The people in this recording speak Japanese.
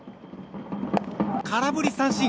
空振り三振